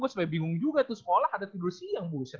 gua sebenernya bingung juga tuh sekolah ada tidur siang